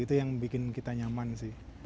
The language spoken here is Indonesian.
itu yang bikin kita nyaman sih